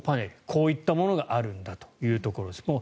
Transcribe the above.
こういったものがあるんだということです。